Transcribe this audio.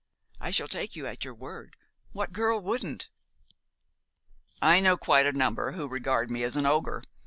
I shall take you at your word. What girl wouldn't?" "I know quite a number who regard me as an ogre.